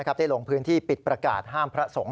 ได้ลงพื้นที่ปิดประกาศห้ามพระสงฆ